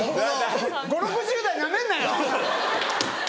５０６０代ナメんなよ！